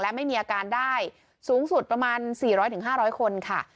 และไม่มีอาการได้สูงสุดประมาณ๔๐๐๕๐๐คนค่ะ